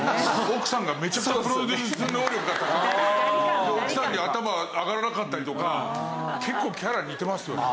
奥さんがめちゃくちゃプロデュース能力が高くてで奥さんに頭が上がらなかったりとか結構キャラ似てますよね。